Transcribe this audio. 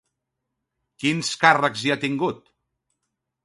Quins càrrecs hi ha tingut?